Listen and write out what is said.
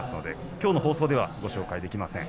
きょうの放送ではご紹介できません。